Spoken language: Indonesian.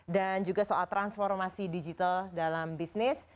dan juga soal transformasi digital dalam bisnis